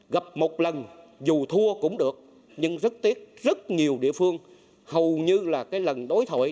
gặp một lần dù thua cũng được nhưng rất tiếc rất nhiều địa phương hầu như là cái lần đối thoại